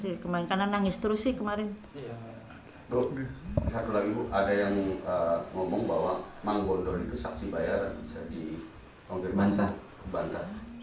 satu lagi bu ada yang ngomong bahwa manggondori itu saksi bayaran bisa dikontribusi ke bantah